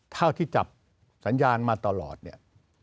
เท่าที่จับสัญญาณมาตลอดเนี่ย